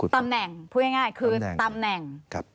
ตำแหน่งคือตำแหน่ง